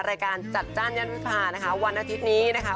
รายการจัดจานยานวิภาวันอาทิตย์นี้นาคะ